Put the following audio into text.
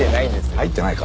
入ってないか？